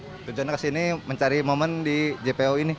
makanya saya tujuan kesini mencari momen di jpo ini